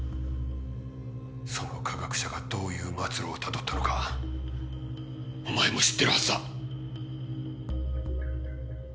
その科学者がどういう末路をたどったのかお前も知ってるはずだ。